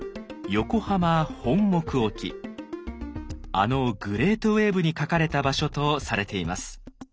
あの「グレ−トウエーブ」に描かれた場所とされています。